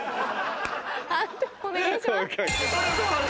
判定お願いします。